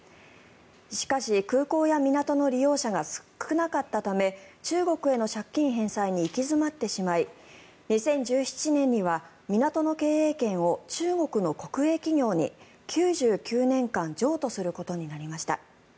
しかし空港や港の利用者が少なかったため中国への借金返済に行き詰まってしまい２０１７年には港の経営権を中国の国営企業に９９年間譲渡することになりました。